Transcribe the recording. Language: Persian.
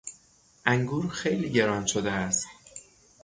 انگور خیلی گران شده است.